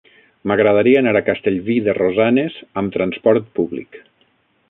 M'agradaria anar a Castellví de Rosanes amb trasport públic.